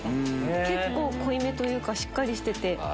結構濃いめというかしっかりしてて。